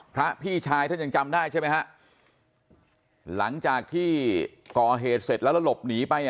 พระพี่ชายท่านยังจำได้ใช่ไหมฮะหลังจากที่ก่อเหตุเสร็จแล้วแล้วหลบหนีไป